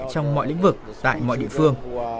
trong mọi lĩnh vực tại mọi địa phương